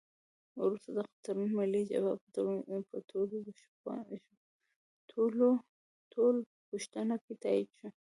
وروسته دغه تړون ملي جبهه په ټولپوښتنه کې تایید شو.